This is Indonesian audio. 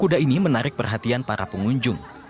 kuda ini menarik perhatian para pengunjung